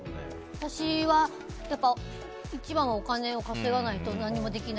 私は一番はお金を稼がないと何もできない。